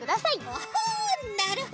ほほうなるほど。